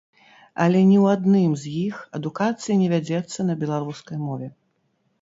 Але ні ў адным з іх адукацыя не вядзецца на беларускай мове.